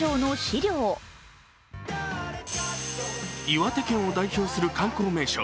岩手県を代表する観光名所